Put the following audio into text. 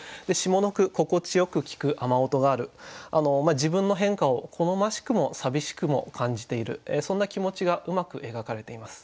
自分の変化を好ましくも寂しくも感じているそんな気持ちがうまく描かれています。